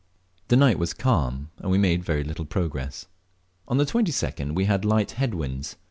The night was calm, and we made little progress. On the 22d we had light head winds.